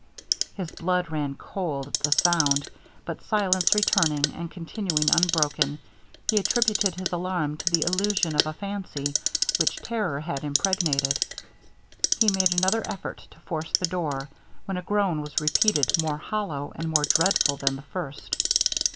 His blood ran cold at the sound, but silence returning, and continuing unbroken, he attributed his alarm to the illusion of a fancy, which terror had impregnated. He made another effort to force the door, when a groan was repeated more hollow, and more dreadful than the first.